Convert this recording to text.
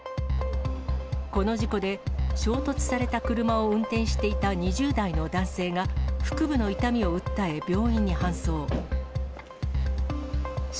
この事故で、衝突された車を運転していた２０代の男性が、腹部の痛みを訴え、病院に搬送。